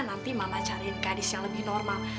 nanti mama cariin kadis yang lebih normal